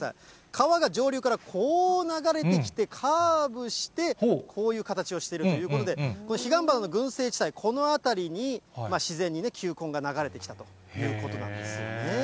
川が上流からこう流れてきてカーブして、こういう形をしているということで、彼岸花の群生地帯、この辺りに、自然にね、球根が流れてきたということなんですね。